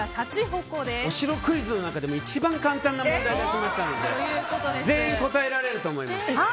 お城クイズの中でも一番簡単なものなので全員、答えられると思います。